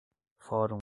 fóruns